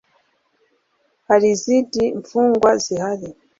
…hari izindi mfungwa zihari